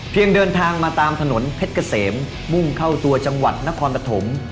เดินทางมาตามถนนเพชรเกษมมุ่งเข้าตัวจังหวัดนครปฐม